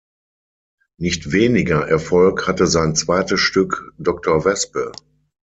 Nicht weniger Erfolg hatte sein zweites Stück "Doktor Wespe".